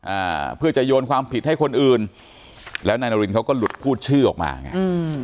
อ่าเพื่อจะโยนความผิดให้คนอื่นแล้วนายนารินเขาก็หลุดพูดชื่อออกมาไงอืม